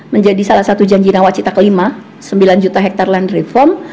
menjadi salah satu janji nawacita kelima sembilan juta hektare land reform